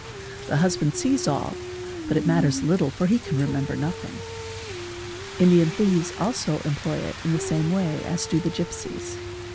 The husband sees all, but it matters little for he E on remember nothing, Indian thieves also employ it in the same H as do the gipsies.